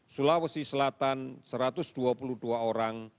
sulawesi selatan satu ratus dua puluh dua orang